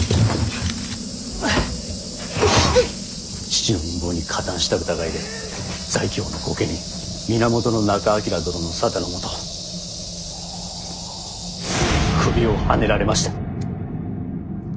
父の陰謀に加担した疑いで在京の御家人源仲章殿の沙汰のもと首をはねられました。